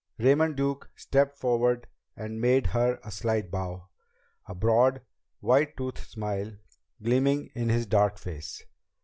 Raymond Duke stepped forward and made her a slight bow, a broad white toothed smile gleaming in his dark face.